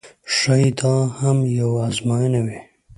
ښایي دا هم یوه آزموینه وي.